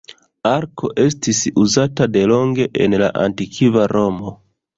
Arko estis uzata delonge en la Antikva Romo.